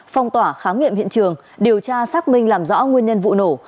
phong tỏa khám nghiệm hiện trường điều tra xác minh làm rõ nguyên nhân vụ nổ